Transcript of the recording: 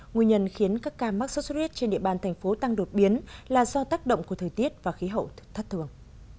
nguyên nhân khiến các ca mắc sốt xuất huyết trên địa bàn thành phố tăng đột biến là do tác động của thời tiết và khí hậu thất thường